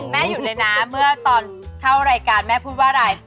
แม่หยุดเลยนะเมื่อตอนเข้ารายการแม่พูดว่าอะไร